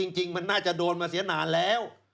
จริงมันน่าจะโดนมาเสียนานแล้ว